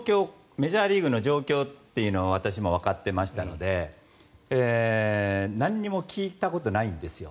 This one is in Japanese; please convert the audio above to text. メジャーリーグの状況というのは私もわかってましたので何も聞いたことないんですよ。